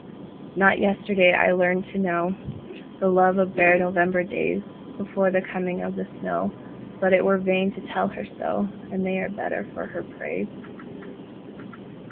Not yesterday I learned to knowThe love of bare November daysBefore the coming of the snow, But it were vain to tell her so, And they are better for her praise.